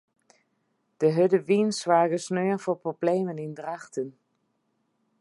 De hurde wyn soarge sneon foar problemen yn Drachten.